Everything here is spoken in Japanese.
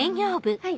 はい。